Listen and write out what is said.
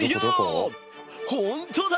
本当だ！